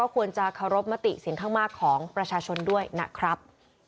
ของประชาชนด้วยนะครับ